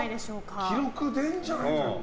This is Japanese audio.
これは記録出るんじゃないか。